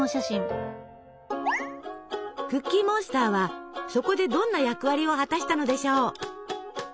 クッキーモンスターはそこでどんな役割を果たしたのでしょう？